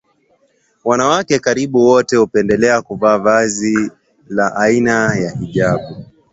Wanawake karibu wote hupendelea kuvaa vazi aina ya hijabu